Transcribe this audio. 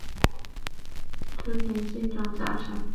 织田信长家臣。